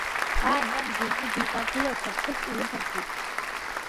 Ааи, нан, зыҩны быҩнагылаша аԥҳәыс илыбарги!